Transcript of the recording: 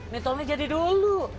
nih tol ini jadi dulu